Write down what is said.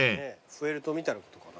フェルトみたいなことかな？